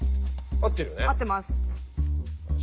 合ってます。